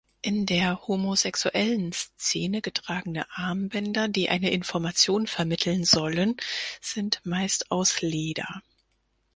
In der Homosexuellen-Szene getragene Armbänder, die eine Information vermitteln sollen, sind meist aus Leder.